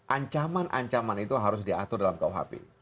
ancaman ancaman itu harus diatur dalam kuhp